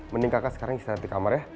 mending kakak sekarang istirahat di kamar ya